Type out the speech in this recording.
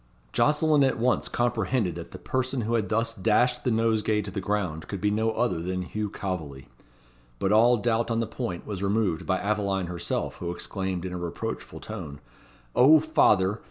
Jocelyn at once comprehended that the person who had thus dashed the nosegay to the ground could be no other than Hugh Calveley. But all doubt on the point was removed by Aveline herself who exclaimed in a reproachful tone "O father!